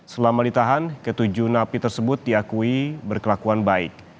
selama ditahan ketujuh napi tersebut diakui berkelakuan baik